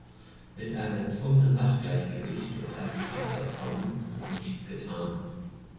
Mit einem erzwungenen Machtgleichgewicht und einem Friedensabkommen ist es nicht getan.